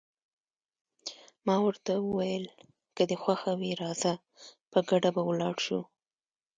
ما ورته وویل: که دې خوښه وي راځه، په ګډه به ولاړ شو.